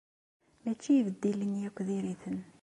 Mačči ibeddilen akk diri-ten.